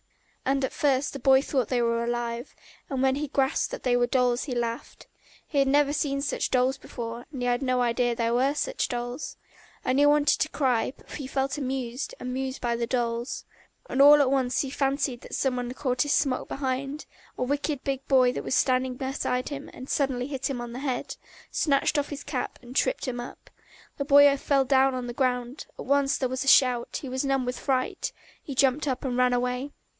And at first the boy thought they were alive, and when he grasped that they were dolls he laughed. He had never seen such dolls before, and had no idea there were such dolls! And he wanted to cry, but he felt amused, amused by the dolls. All at once he fancied that some one caught at his smock behind: a wicked big boy was standing beside him and suddenly hit him on the head, snatched off his cap and tripped him up. The boy fell down on the ground, at once there was a shout, he was numb with fright, he jumped up and ran away.